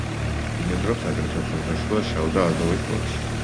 ბინადრობს აგრეთვე ხმელთაშუა, შავ და აზოვის ზღვებში.